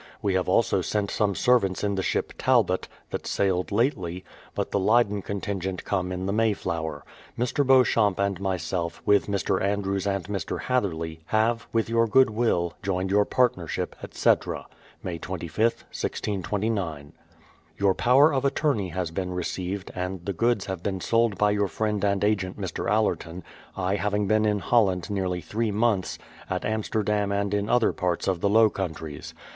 We have also sent some servants in the ship Talbot, that sailed lately; but the Leyden contingent come in the Mayflower. Mr. Beauchamp and myself, with Mr. Andrews and Mr. Hatherley, have, with your good will, joined your partnership, etc. May 2Stlh 1629. Your power of attorney has been received, and the goods have been sold by 3'our friend and agent, Mr. Allerton, I having been in Holland nearly three months, at Amsterdam and in other parts of the Low Countries.